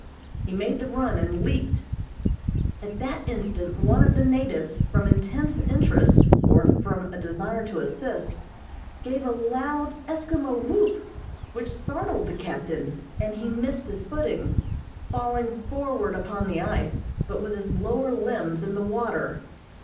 He made the run and leaped. At that instant one of the natives, from intense interest, or from a desire to assist, gave a loud Eskimo whoop, which startled the captain, and he missed his footing, falling forward upon the ice, but with his lower limbs in the water.